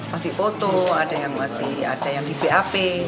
masih foto ada yang masih ada yang di bap